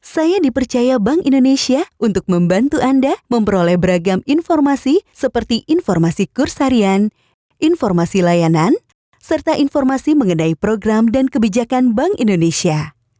saya dipercaya bank indonesia untuk membantu anda memperoleh beragam informasi seperti informasi kurs harian informasi layanan serta informasi mengenai program dan kebijakan bank indonesia